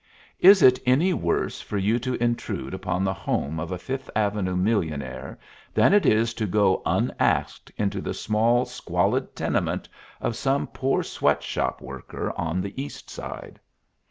"Is it any worse for you to intrude upon the home of a Fifth Avenue millionaire than it is to go unasked into the small, squalid tenement of some poor sweatshop worker on the East Side?"